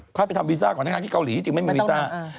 เขาจะไปทำวีซ่าก่อนแท้ที่เกาหลีไม่มีวีซ่า